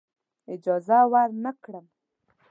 اجازه ورنه کړم.